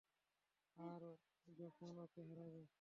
আর যখন ওকে হারাবে।